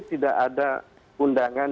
tidak ada undangan